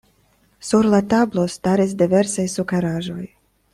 Sur la tablo staris diversaj sukeraĵoj.